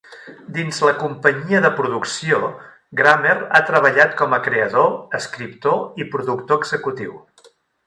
Dins la companyia de producció, Grammer ha treballat com a creador, escriptor i productor executiu.